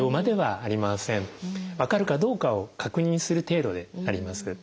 分かるかどうかを確認する程度でやります。